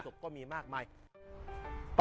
มาหาสมปองจะตอบยังไงฟังกันนะ